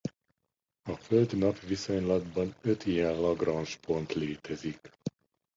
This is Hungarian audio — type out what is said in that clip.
A Föld–Nap-viszonylatban öt ilyen Lagrange-pont létezik.